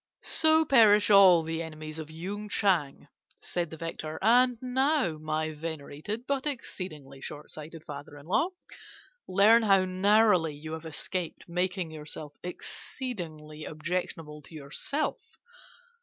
"'So perish all the enemies of Yung Chang,' said the victor. 'And now, my venerated but exceedingly short sighted father in law, learn how narrowly you have escaped making yourself exceedingly objectionable to yourself.